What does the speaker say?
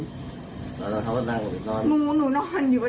นานออกเท้ามันนั่งอยู่คืนนอน